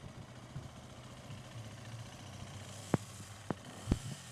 Mkuu wa haki za binadamu wa Umoja wa Ulaya